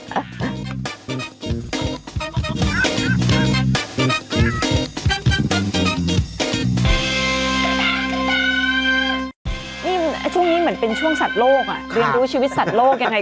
นี่ช่วงนี้เหมือนเป็นช่วงสัตว์โลก